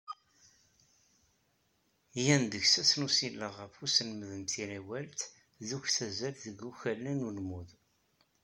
Gan deg-s ass n usileɣ ɣef uselmed n tirawalt d uktazal deg ukala n ulmud.